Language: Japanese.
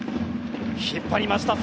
引っ張りました。